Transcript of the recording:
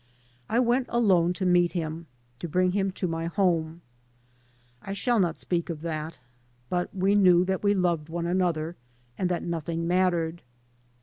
I went alone to meet him, to bring him to my home. I shall not speak of that. But we knew that we loved one another, and that nothing mattered.